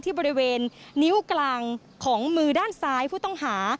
บริเวณนิ้วกลางของมือด้านซ้ายผู้ต้องหา